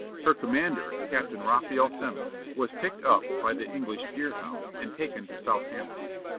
Her commander, Captain Raphael Semmes, was picked up by the English Deerhound, and taken to Southampton.